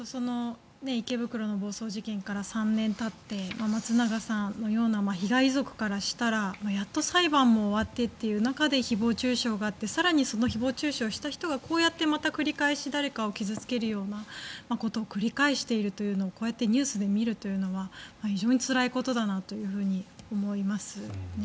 池袋の暴走事件から３年たって松永さんのような被害遺族からしたらやっと裁判も終わってという中で誹謗・中傷があって更に、その誹謗・中傷をした人がこうやってまた繰り返し誰かを傷付けるようなことを繰り返しているというのをこうやってニュースで見るというのは非常につらいことだなと思いますね。